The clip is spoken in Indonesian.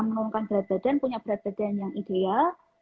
menurunkan berat badan punya berat badan yang ideal